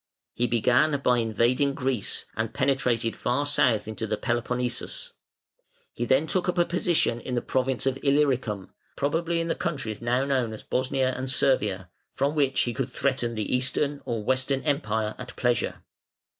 He began by invading Greece and penetrated far south into the Peloponnesus. He then took up a position in the province of Illyricum probably in the countries now known as Bosnia and Servia from which he could threaten the Eastern or Western Empire at pleasure.